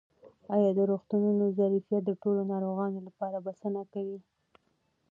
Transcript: آیا د روغتونونو ظرفیت د ټولو ناروغانو لپاره بسنه کوي؟